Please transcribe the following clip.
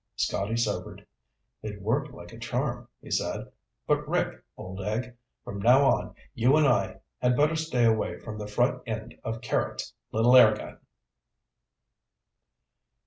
Scotty sobered. "It worked like a charm," he said. "But Rick, old egg, from now on you and I had better stay away from the front end of Carrots' little air gun!"